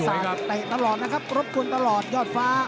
เตะตลอดนะครับรบกวนตลอดยอดฟ้า